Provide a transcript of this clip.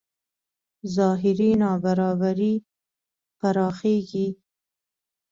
ظاهري نابرابرۍ پراخېږي.